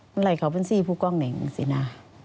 มันไหลเขาบัญชีผู้กล้องหน่อยสินะ